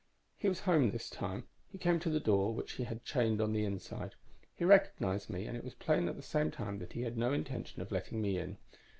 "He was home this time. He came to the door, which he had chained on the inside. He recognized me, and it was plain at the same time that he had no intention of letting me in.